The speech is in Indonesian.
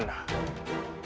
untuk mencari argadana